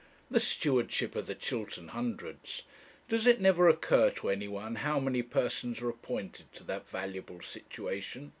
The Stewardship of the Chiltern Hundreds! Does it never occur to anyone how many persons are appointed to that valuable situation?